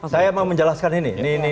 saya mau menjelaskan ini